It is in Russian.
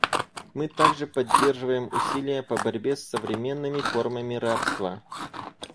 Мы также поддерживаем усилия по борьбе с современными формами рабства.